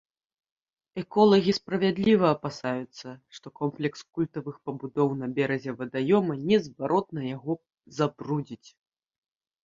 Эколагі справядліва апасаюцца, што комплекс культавых пабудоў на беразе вадаёма незваротна яго забрудзіць.